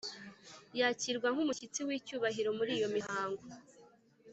yakirwa nk'umushyitsi w'icyubahiro muri iyo mihango.